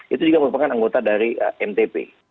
itu juga merupakan anggota dari mtp